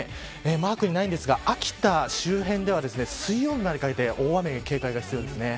マークにないのですが秋田周辺では水曜日にかけて大雨に警戒が必要です。